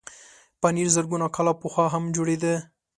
پنېر زرګونه کاله پخوا هم جوړېده.